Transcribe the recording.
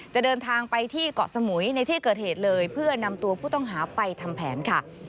เดินทางไปที่เกาะสมุยในที่เกิดเหตุเลยเพื่อนำตัวผู้ต้องหาไปทำแผนค่ะ